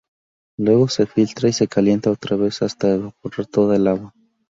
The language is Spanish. Luego se filtra y se calienta otra vez hasta evaporar toda el agua.